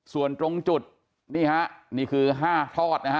ส่วนตรงจุดนี่คือ๕ทอด